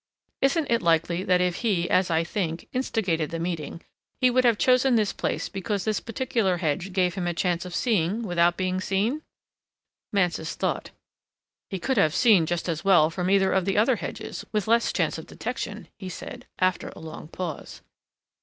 Isn't it likely that if he, as I think, instigated the meeting, he would have chosen this place because this particular hedge gave him a chance of seeing without being seen?" Mansus thought. "He could have seen just as well from either of the other hedges, with less chance of detection," he said, after a long pause.